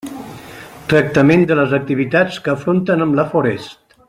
Tractament de les activitats que afronten amb la forest.